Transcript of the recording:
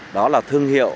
đó là thương hiệu